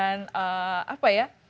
karena aku bisa mengembangkan